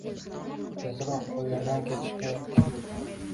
Tezroq bu erdan ketish kerak